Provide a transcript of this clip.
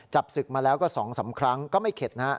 จับศึกมาแล้วก็สองสามครั้งก็ไม่เข็ดนะ